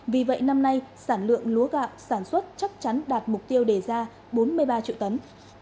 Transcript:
vì vậy năm nay sản lượng lúa gạo sản xuất chắc chắn đạt mục tiêu đề ra bốn mươi ba triệu tấn